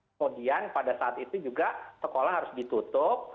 kemudian pada saat itu juga sekolah harus ditutup